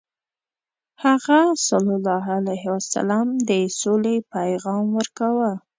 هغه ﷺ د سولې پیغام ورکاوه.